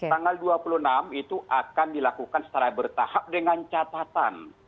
tanggal dua puluh enam itu akan dilakukan secara bertahap dengan catatan